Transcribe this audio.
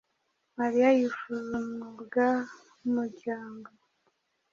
Mariya yifuza umwuga n'umuryango.